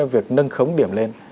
việc nâng khống điểm lên